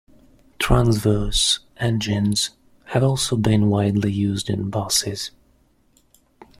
Transverse engines have also been widely used in buses.